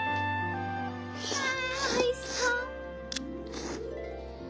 ああおいしそう！